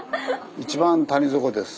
一番谷底です。